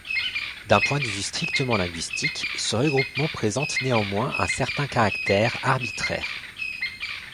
D'un point de vue strictement linguistique, ce regroupement présente néanmoins un certain caractère arbitraire.